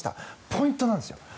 ポイントなんですよ。